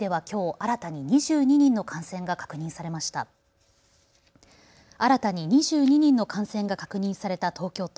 新たに２２人の感染が確認された東京都。